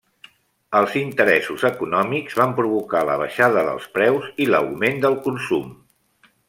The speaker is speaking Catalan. Els interessos econòmics van provocar la baixada dels preus i l'augment del consum.